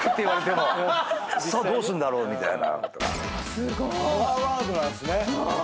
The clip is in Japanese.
すごい！パワーワードなんすね。